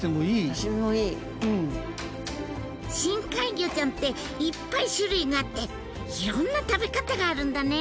深海魚ちゃんっていっぱい種類があっていろんな食べ方があるんだね！